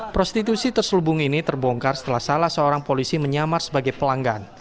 prostitusi terselubung ini terbongkar setelah salah seorang polisi menyamar sebagai pelanggan